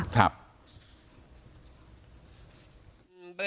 ครับ